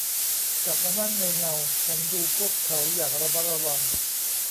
กลับมานั่งในเงาฉันดูพวกเขาอย่างระมัดระวัง